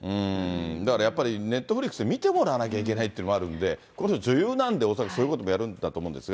だからやっぱり、ネットフリックス見てもらわなきゃいけないっていうのもあるんで、この人女優なんで、恐らくそういうこともやるんだと思うんですが。